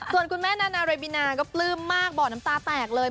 ส่วนคุณแม่นานาเรบินาก็ปลื้มมากบ่อน้ำตาแตกเลย